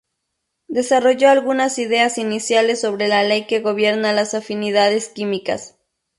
Desarrolló algunas ideas iniciales sobre la ley que gobierna las afinidades químicas.